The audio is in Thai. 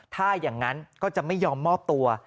ถ้าอย่างนั้นก็จะไม่ยอมมอบตัว